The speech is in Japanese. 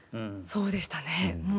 そうでしたね。